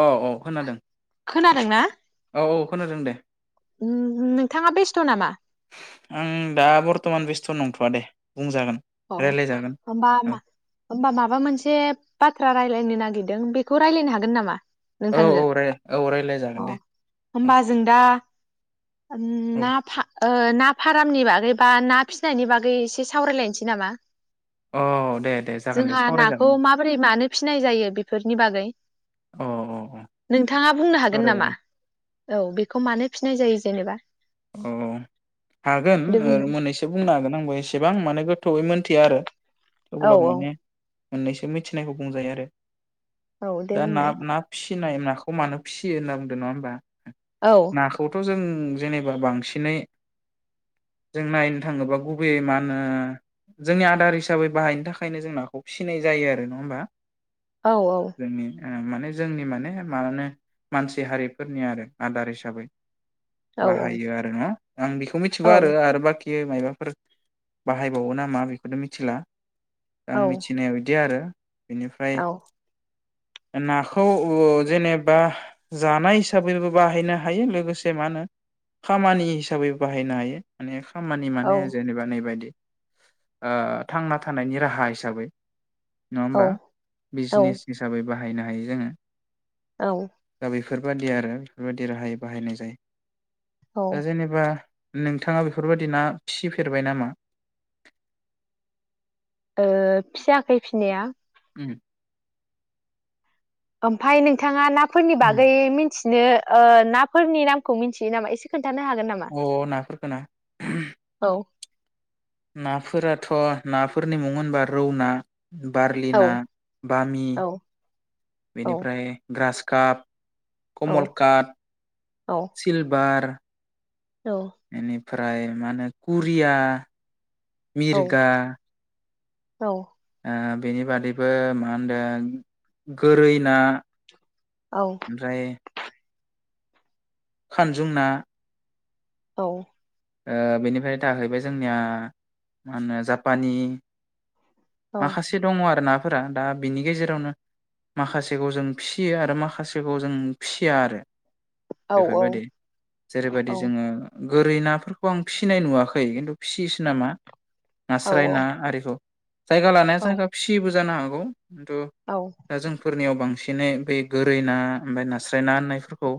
औ औ खोनादों खोनादोंना औ औ। खोनादों दे। नोंथाङा बेस्थ' नामा? आं दा बरथमान बेस्थ' नंथ'वा दे। बुंजागोन अ रायलायजागोन होमबा औ मा होमबा माबा मोनसे बाथ्रा राय रायलायनो नागिरदों बेखौ रायजलायनो हागोन नामा? औ नोंथां औ जों राय औ रायलायजागोन अ दे औ हमबा जों दा ओम औ ना फा ओ ना फारामनि बागै बा ना फिसिनायनि बागै एसे सावरायलायनोसै नामा? औ दे दे जागोन दे जोंहा नाखौ सावरायजागोन दे माबोरै मानो फिनाय जायो बे बेफोरनि बागै। औ औ औ नोंथाङा बुंनो हागोन नामा? सावरायजागोन औ बेखौ मानो फिसिनाय जायो जेनेबा? अ हागोन दे बुंनाय मोननैसो बुंनो हागोन आंबो एसे बेसेबां माने गोथौयै मिथिया आरो। औ थेवब्लाबो माने औ मोननैसो मिथिनायखौ बुंजायो आरो। औ दे दा ना बुंनाय नाफिस फिसिनाय नाखौ मानो फिसियो होनना बुंदों नङा होनबा। औ नाखौ थ जों उम जेने बांसिनै जों नायनो थाङोबा गुबैयै मा होनो जोंनि आदार हिसाबै बाहायनो थाखायनो जों नाखौ फिसिनाय जायो आरो नङा होमबा। औऔ। जोंनि ओ माने जोंनि माने माहोनो मानसि हारिफोरनि आरो आदार हिसाबै। औ बाहायो आरो न आं बेखौ मिथिगौ आरो औ आरो बाखि मायबाफोर बाहायबावो नामा बेखौ मिथिला। आं मिथिनाया बिदि आरो। बेनिफ्राय औ नाखौ ओ जेनेबा जानाय हिसाबैबो बाहायनो हायो लोगोसे मा होनो खामानि हिसाबै बाहायनो हायो माने। खामानि औ माने जेनेबा नैबायदि ओ थांना थानायनि राहा हिसाबै। नङा औ होमबा? औ बिजनेस हिसाबै। बाहायनो हायो जोङो। औ। बेफोरबायादि आरो बेफोरबायदि राहायाव बाहायनाय जायो। औ दा जेनेबा नोंथाङा बेफोरबायदि ना फिसिफेरबाय नामा? ओ फियाखै फिनाया। उ। ओमफ्राय नोंथाङा ना फोरनि बागै मिथि बि ओ ना फोरनि नामखौ मिन्थियो नामा? एसे खोन्था अ नाफोरखौ ना? औ नाफोराथ नाफोरनि मुं होनबा रौ ना- औ बारलिना बामि औ औ बेनिफ्राय ग्रास काप औ कमल काट औ सिलभार औ -ओमफ्राय माहोनो कुरिया औ मिरगा औ ओ बेनि बादैबो मा होनदों गोरै ना औ ओमफ्राय खानजुं ना औ बेनिफ्राय थाहैबाय जोंनिया मा होनो जापानि माखासे दङ आरोना फोरा दा बिनि गेजेरावनो माखासेखौ जों फिसियो आरो माखासेखौ जों फिया आरो औ बेफोरबायदि जेरैबायदि जोङो गोरि ना फोरफोरखौ आं फिसिनाय नुवाखै खिन्थु फिसियोसो नामा औ नास्राय ना आरिखौ जायगा लानाय जायगा फिसिबो जानो हागौ [unintelligible] खिन्थु औ दा जोंफोरनियाव बांसिनै बे गोरै ना ओमफ्राय नास्राय ना होननायफोरखौ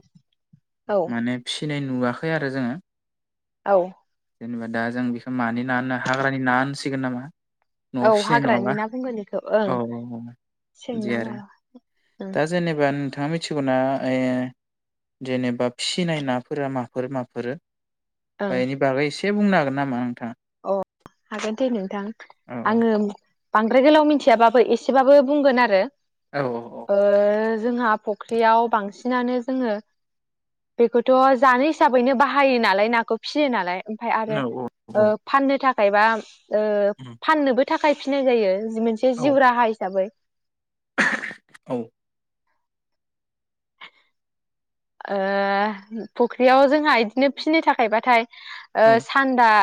माने फिसिनाय नुवाखै आरो जोङो औ जेनेबा दा जों बेखौ मानि ना होनो हाग्रानि ना होनसिगोन नामा? न'आव औ फिसिनाय हाग्रानि नङाबा ना बुंगोन इखौ ओं औ औ बिदि सेंना आरो माबा ओं दा जेने बा नोंथाङा मिथिगौना ओ जेनेबा फिसिनाय नाफोरा माफोर माफोर? ओं बेनि बागै इसे से बुंनो हागोन नामा ओं अ हागोन दे नोंथां औ आङो बांद्राय गोलाव मिथियाबाबो एसेबाबो बुंगोन आरो औ ओ जोंहा फ फुख्रियाव बांसिनानो जोङो बेखौथ' जानो हिसाबैनो बाहायो नालाय नाखौ फिसियो नालाय ओमफाय आरो औ औ ओ फाननो था थायबा ओ फाननोबो थाखाय फिनाय जायो। मोनसे औ जिउ राहा हिसाबै। औ ओ फुख्रियाव जोंहा इदिनो फिनाय थाखायोबाथाय ओ औ सान्दा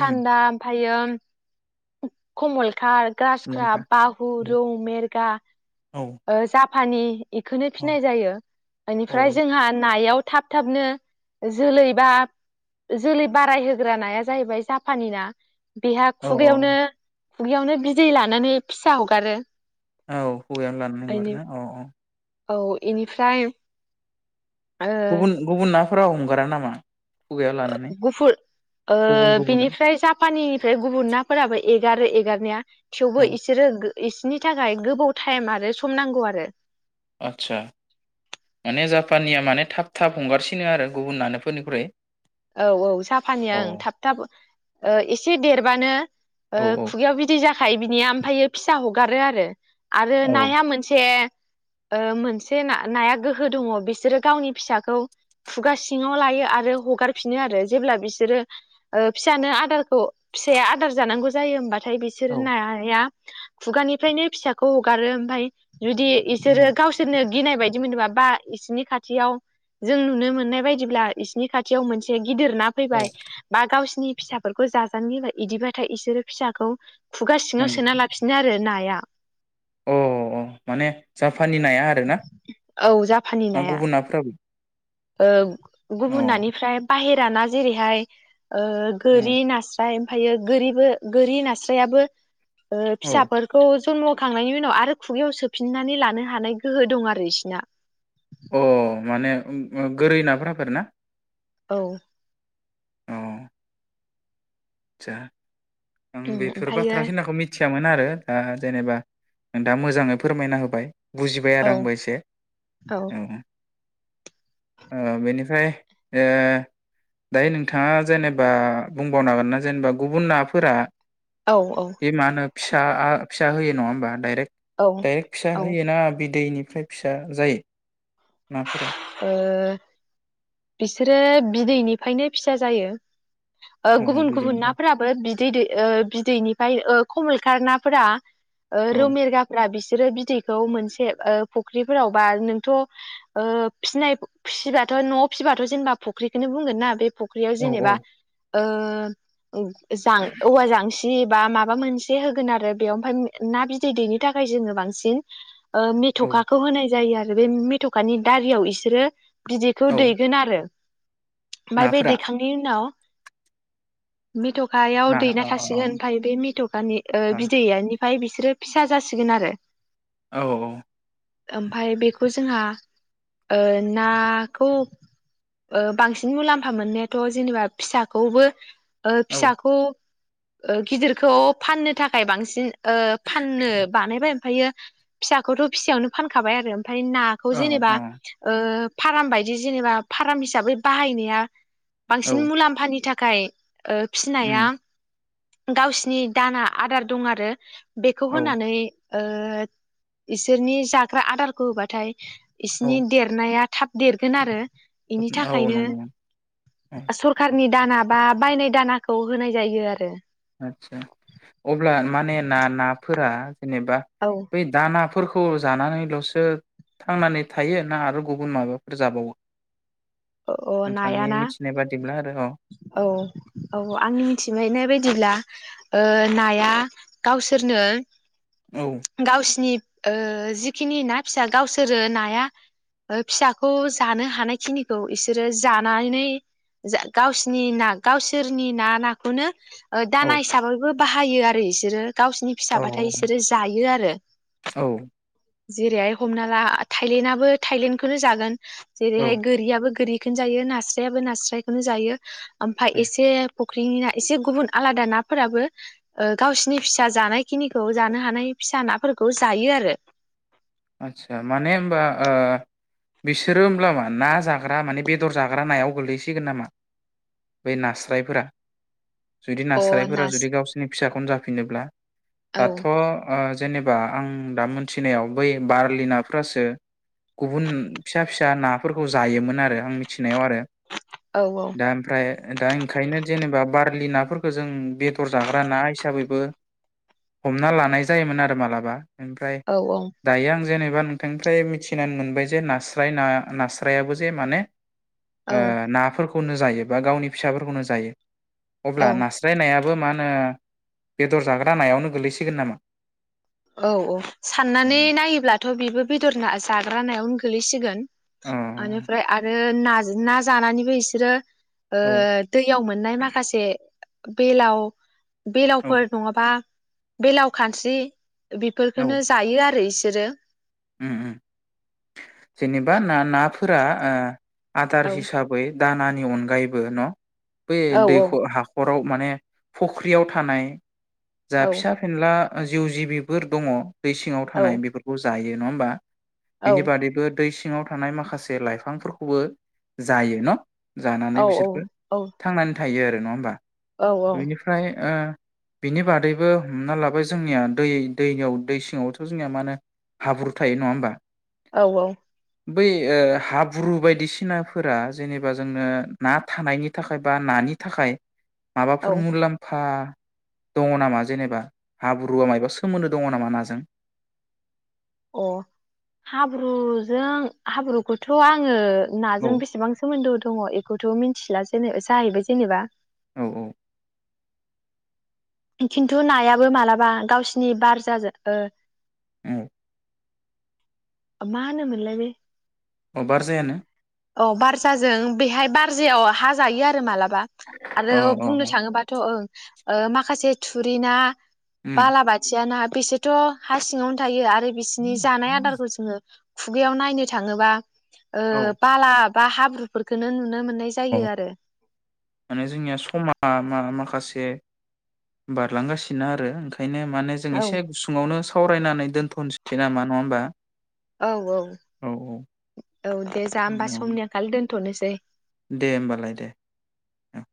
उम ओमफ्रायो [unintelligible] कमल खात गासक्राप मुलाम्फा बाहु औ रौ मेरगा औ ओ जाब फानि इखोनो औ फिनाय जायो औ इनिफ्राय जोंहा नायाव थाब थाबनो जोलै बा जोलै बाराय होग्रा नाया जाहैबाय जापाननि ना बेहा औ खुगायावनो खुगायावनो बिदै लानानै फिसा हगारो। औ। बेनि [unintelligible] औ इनिफ्राय गुबुन गुबुन ना फोराव हंगारा नामा खुगायाव लानानै गुफुर ओ गुबुन गुबुना बिनिफ्राय जापानिनिफ्राय गुबुर नाफोराबो एगारो एगार नाया। औ थेवबो इसोरो गो इसिनि थाखाय गोबोव टाइम आरो सम नांगौ आरो। आदसा, माने जापाननिया माने थाब थाब हंगारसिनो आरो गुबुन नानोफोरनिख्रुइ? औ औ जापानिया अ औ ओं थाब थाब ओ एसे देर बानो ओ औ खुगायाव बिदि जा खायो बिनिया ओमफ्रायायो फिसा हगारो आरो आरो औ नाया मोनसे ओ मोनसे ना नाया गोहो दङ बिसोरो गावनि फिसाखौ खुगा सिङाव लायो आरो हगार फिनो आरो जेब्ला बिसोरो ओ फिसानो आदारखौ फिसाया आदार जानांगौ जायो होनबा थाय बिसोर औ नाया खुगानिफ्रायनो फिसाखौ हगारो ओमफ्राय जुदि इसोरो औ गावसोरनो गिनाय बायदि मोनोबा बा बिसिनि खाथियाव जों नुनो मोननाय बायदिब्ला बिसिनि खाथियाव मोन गिदिर ना औ फैबाय बा गावसि सिनि फिसाफोरखौ जाजानो गिबाय इदिबाथाय इसोरो फिसाखौ खुगा सिंङाव नंगौ सोना लाफिनो आरो नाया। अ अ माने जा पाननि नाया आरो ना? ना गुबुन नाफोराबो? औ। अ गुबुन नानिफ्राय बाहेराना जेरैहाय ओ औ गोरि नास्राय ओमफायो गोरिबो गोरि नास्रायाबो ओ औ फिसाफोरखौ जन्म' होखांनायनि उनाव आरो खुगायाव सोफिननानै लानो हानाय गोहो दं आरो बिसिना। अ माने गोरै नाफ्राफोर ना औ जा आं बेफोर ओमफ्रायो बाथ्रा खिनाखौ मिथि मिथियामोन आरो दा जेनेबा दा मोजांङै फोरमायना होबाय बुजिबाय आरो औ आंबो एसे औ ओ ओ ओ बेनिफ्राय ओ दायो नोंथांङा जेनेबा बुंबावनांगोन ना जेनेबा गुबुन नाफोरा औ औ बे मा होनो फिसा आ फिसा होयो नंङा होमबा डाइरेक्ट औ औ डायरेक्ट फिसा ओ होयोना बिदैनि ओमफ्राय फिसा जायो नाफोरा ओ बिसोरो बिदैनिफ्रायनो फिसा जायो ओ‌ अ गुबुन गुबुन बिदैनिफ्राय नाफोराबो बिदै ओ दैयो बिदैनिफ्राय ओ खमल खार नाफोरा ओ औ ‌रौ‌ मिरगाफ्रा बिसि जेरै बिदैखौ मोनसे ओ फुख्रिफोराव बा नोंथ' ओ फिनाय फिबाथ' न'आव फिबाथ' जेनेबा फुख्रिखौनो बुंगोन ना बे फुख्रियाव औ जेनेबा औ ओ - जां औवा जांसि जि बा माबा मोनसे होगोन आरो बेयाव ओमफ्राय ना बिदै दैनि थाखाय जोङो बांसिन ओ औ मिथ'खाखौ होनाय जायो आरो बे मिथ'कानि दारियाव बिसोरो बिदैखौ औ दैगोन आरो ओमफाय बे नाफोरा दैखांनायनि उनाव मेथ'खायाव ना औ दैना औ थासिगोन ओमफाय बे मेथ'कानि ओ बिदैया ओमफाय बिसोरो फिसा जासिगोन आरो औ औ औ ओमफाय बेखौ जोंहा ओ नाखौ ओ बांसिन मुलाम्फा मोननायाथ' जेनेबा फिसाखौबो ओ औ फिसाखौ ओ गिदिरखौ फाननो थाखाय बांसिन ओ फाननो बानायबाय यो फिसाखौथ' फिसायावनो फानखाबाय आरो ओमफ्राय नाखौ जेनेबा अ ओ फाराम बायदि जेनेबा फाराम हिसाबै बाहायनाया औ बांसिन मुलाम्फानि थाख गाय ओ उम फिनाया गावसिनि दाना आदार दं आरो बेखौ औ होनानै ओ इसोरनि जाग्रा आदारखौ होबाथाय औ बिसिनि देरनाया थाब देरगोन आरो। बेनि औ थाखायनो नंगौ औ सरखारनि दाना बा बायनाय दानाखौ होनाय जायो आरो। आतसा अब्ला माने ना नाफोरा जेनेबा औ बे फोरखौ जानानैलसो थांनानै थायो ना आरो गुबुन माबाफोर जाबावो? औ औ नोंथांनि नायाना मिथिनाय बादिब्ला आरो औ औ औ आंनि मिथिबायनाय बायदि बिदिला ओ नाया गावसोरनो गावसिनि ओ जिखिनि ना फिसा गावसोरो नाया फिसाखौ जानो हानायखिनि खौ इसोरो जानानै गावसिनि ना गावसोरनि ना नाखौनो औ दाना हिसाबैबो बाहायो आरो बिसोरो गावसोरनि औ फिसाबाथाय बिसोरो जायो आरो औ जेरैहाय हमना ला थायलेण्डआबो थायलेण्डखौनो जागोन औ जेरैहाय गोरिखौनो जायो नास्रायाबो नास्रायखौनो जायो ओमफ्राय ए एसे फुख्रिनि ना एसे गुबुन आलादा नाफोराबो गावसिोरनि फिसा जानाय खिनिखौ जानो हानाय फिसा नाफोरखौ जायो आरो आचसा माने होनबा बिसोरो होमब्ला मा ना जाग्रा माने बेदर जाग्रा नायाव गोलैसिगोन नामा बै नास्रायफोरा जुदि अ नारासारायफोरा नास जुदि गावसिनि फिसाखौ खम जाफिनोब्ला औ दाथ ओ जेनेबा आं दा मोनथिनायाव बै बारलि नाफ्रासो गुबुन फिसा फिसा नाफोरखौ जायोमोन आरो आं मिथि नायाव आरो औ दा ओमफ्राय दा ओंखायनो जेनेबा बारलि नाफोरखौ जों बेदर जाग्रा ना हिसाबैबो हमना लानाय जायोमोन आरो मालाबा ओमफ्राय औ औ दायो आं जेनेबा नोंथांनिफ्राय मिथिनानै मोनबाय जे नास्राय ना नास्रायाबो जे माने औ ओ नाफोर खौनो जायो बा गावनि फिसाफोरखौनो जायो। अब्ला औ नास्राय नाया बो मा होनो बेदर जाग्रा नायावनो गोलैसिगोन नामा? औ औ साननानै नायोब्लाथ' बेबो बेदर ना जा ग्रा नायावनो गोलैसिगोन। अ ओनिफ्राय आरो नाज ना जानानैबो इसोरो ओ औ दैयाव मोननाय माखासे बेलाव औ बेलावफोर नङाबा बेलाव, खानस्रि बेफोरखोनो जायो आरो इस सोरो ओम ओम जेनेबा ना ना फोरा ओ आदार औ हिसाबै दानानि अनगायैबो न? बे औ दैख' हाखर आव माने फुख्रियाव थानाय जा औ फिसा फेनला जिउ जिबिफोर दङ' दै सिङाव औ थानाय बेफोरखौ जायो। नङा होमबा? औ बिनि बादैबो दै सिङाव थानाय माखासे लाइफांफोरखौबो जायो न'? औ जानानै बिसोरबो औ थांनानै थायो आरो नङा होमबा? औ बेनिफ्राय ओ बिनि बादैबो हमना लाबाय जोंनिया दै दैयाव दै सिङावथ' जोंनिया मा होनो हाब्रु थायो नङा होमबा? औ औ। बै ओ हाब्रु बायदिसिनाफोरा जेनेबा जोंनो ना थानायनि थाखाय बा नानि थाखाय औ माबाफोर मुलाम्फा दङ नामा जेनेबा, हाब्रुआ मायबा सोमोन्दो दङ नामा नाजों? अ हाब्रुजों हाब्रुखौथ' आङो औ नाजों बेसेबां सोमोन्दो दङ एखौथ' मिन थिला जेने जाहैबाय जेनेबा औ औ। खिन्थु नायाबो मालाबा गावसिनि बारजाजों ओ औ। मा होनो मोनलाय बे अ बारजायानो। औ बारजाजों बेहाय बारजायाव हा जायो आरो माला बा आरो अ अ बुंनो अ थाङोबाथ' ओं। ओ माखासे थुरि ना उम बाला बाथिया ना बिसोरथ' हा सिङावनो थायो आरो बिसोरनि जानाय आदारखौ जों खुगायाव नायनो थाङोबा ओ औ पालाब बा हाब्रुफोरखोनो नुनो मो अ' माने जोंनिया समा मा मा म माखासे बारलांगासिनो आरो ओंखाय नो माने जों औ एसे गुसुङावनो सावरायनानै दोन्थ'नोसै नामा नङा होमबा? औ औ औ दे जा होमबा समनि आंखाल दोन थ'नोसै। दे ओमबालाय दे ओ।